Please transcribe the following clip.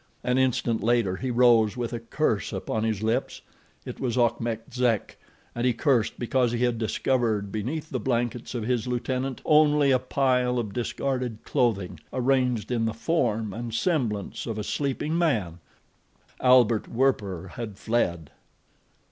An instant later he rose with a curse upon his lips. It was Achmet Zek, and he cursed because he had discovered beneath the blankets of his lieutenant only a pile of discarded clothing arranged in the form and semblance of a sleeping man—Albert Werper had fled.